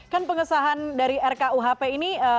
kan pengesahan dari rkuhp ini